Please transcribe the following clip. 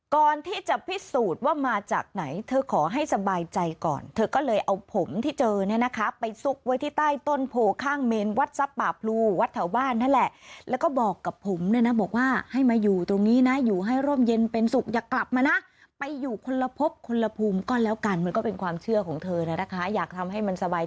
ก่อนที่จะพิสูจน์ว่ามาจากไหนเธอขอให้สบายใจก่อนเธอก็เลยเอาผมที่เจอเนี่ยนะคะไปซุกไว้ที่ใต้ต้นโพข้างเมนวัดทรัพย์ป่าพลูวัดแถวบ้านนั่นแหละแล้วก็บอกกับผมเนี่ยนะบอกว่าให้มาอยู่ตรงนี้นะอยู่ให้ร่มเย็นเป็นสุขอย่ากลับมานะไปอยู่คนละพบคนละภูมิก็แล้วกันมันก็เป็นความเชื่อของเธอนะคะอยากทำให้มันสบาย